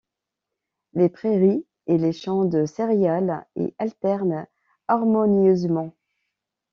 Les prairies et les champs de céréales y alternent harmonieusement.